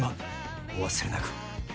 お忘れなく。